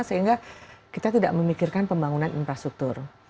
sehingga kita tidak memikirkan pembangunan infrastruktur